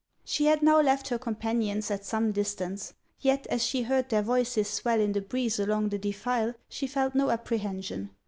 She had now left her companions at some distance; yet as she heard their voices swell in the breeze along the defile, she felt no apprehension.